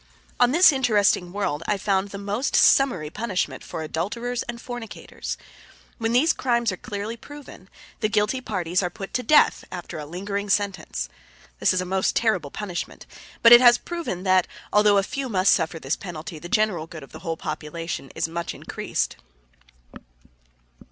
On this interesting world I found the most summary punishment for adulterers and fornicators. When these crimes are clearly proven, the guilty parties are put to death after a lingering sentence. This is a most terrible punishment, but it has proven that, although a few must suffer this penalty, the general good of the whole population is thereby much increased.